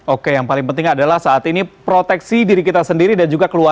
oke yang paling penting adalah saat ini proteksi diri kita sendiri dan juga keluarga